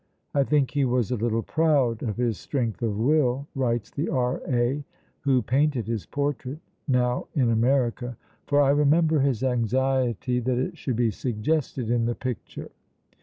"I think he was a little proud of his strength of will," writes the R.A. who painted his portrait (now in America), "for I remember his anxiety that it should be suggested in the picture."